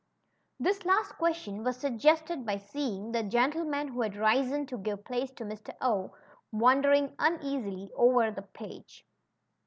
This last question was suggested by seeing that gentleman^ who had risen to give place to Mr. 0, wandering uneasily over the page.